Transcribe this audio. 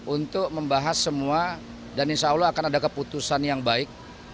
untuk membahas semua dan insya allah akan ada keputusan yang baik